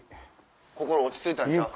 心落ち着いたんちゃう？